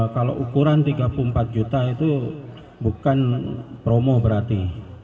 kalau ukuran tiga puluh empat juta itu bukan promo berarti